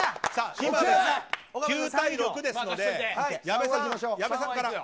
９対６ですので矢部さんから。